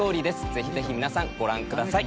ぜひぜひ皆さんご覧ください。